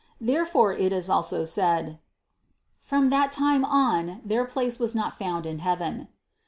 Therefore, it is also said : "From that time on their place was not found in heaven."